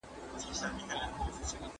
موږ چي ول بالا به احمد راسي باره هغه رانه غی